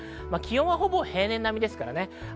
気温はほぼ平年並みです。